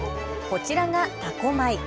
こちらが多古米。